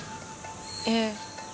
ええ。